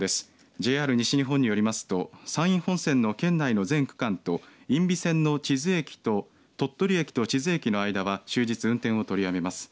ＪＲ西日本によりますと山陰本線の県内全区間と因美線の鳥取駅と智頭駅の間は終日運転を取りやめます。